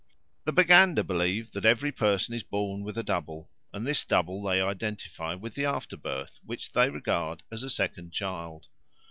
The Baganda believe that every person is born with a double, and this double they identify with the afterbirth, which they regard as a second child.